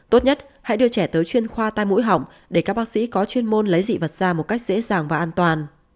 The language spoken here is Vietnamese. tốt nhất hãy đưa trẻ tới chuyên khoa tai mũi hỏng để các bác sĩ có chuyên môn lấy dị vật ra một cách dễ dàng và an toàn